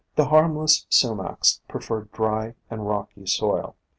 The harmless Sumacs prefer dry and rocky soil.